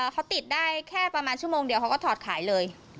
เขาติดได้แค่ประมาณชั่วโมงเดียวเขาก็ถอดขายเลย